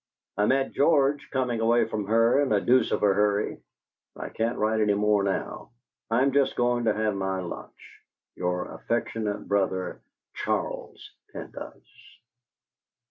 I met George coming away from her in a deuce of a hurry. I can't write any more now. I'm just going to have my lunch. "Your affectionate brother, "CHARLES PENDYCE."